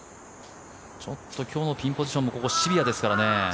ちょっと今日のピンポジションもここシビアですからね。